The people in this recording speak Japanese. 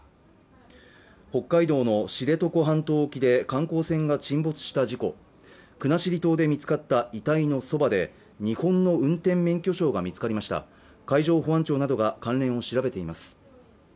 北海道の知床半島沖で観光船が沈没した事故国後島で見つかった遺体のそばで日本の運転免許証が見つかりました海上保安庁などが関連を調べています